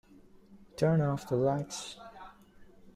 Turn off the lights.